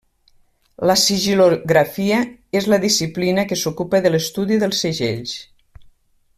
La sigil·lografia és la disciplina que s'ocupa de l'estudi dels segells.